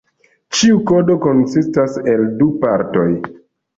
Ĉiu kodo konsistas el du partoj.